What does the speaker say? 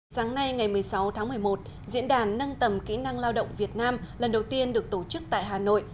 sáng nay ngày một mươi sáu tháng một mươi một diễn đàn nâng tầm kỹ năng lao động việt nam lần đầu tiên được tổ chức tại hà nội